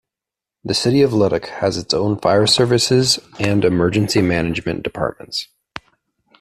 The City of Leduc has its own fire services and emergency management departments.